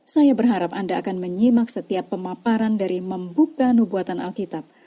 saya berharap anda akan menyimak setiap pemaparan dari membuka nubuatan alkitab